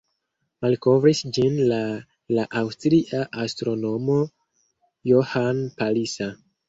Malkovris ĝin la la aŭstria astronomo Johann Palisa.